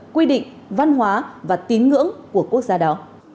quy định văn hóa và tín ngưỡng của quốc gia đó